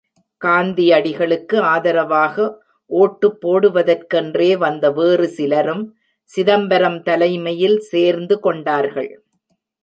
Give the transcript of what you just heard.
காந்தியடிகளுக்கு ஆதரவாக ஓட்டு போடுவதற்கென்றே வந்த வேறு சிலரும் சிதம்பரம் தலைமையில் சேர்ந்து கொண்டார்கள்.